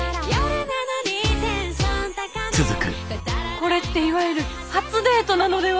これっていわゆる「初デート」なのでは。